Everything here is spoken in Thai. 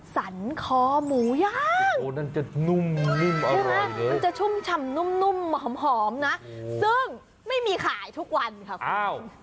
สันคอหมูย่างโอ้นั่นจะนุ่มนุ่มอร่อยเลยมันจะชุ่มชำนุ่มนุ่มหอมนะซึ่งไม่มีขายทุกวันค่ะคุณ